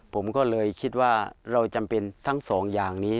ผมก็เลยคิดว่าเราจำเป็นทั้งสองอย่างนี้